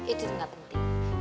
itu gak penting